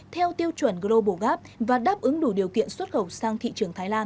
theo tiêu chuẩn global gap và đáp ứng đủ điều kiện xuất khẩu sang thị trường thái lan